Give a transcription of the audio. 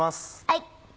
はい。